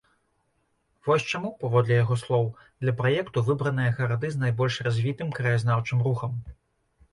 Вось чаму, паводле яго слоў, для праекту выбраныя гарады з найбольш развітым краязнаўчым рухам.